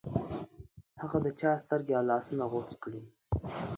هغه د چا سترګې او لاسونه غوڅ کړې.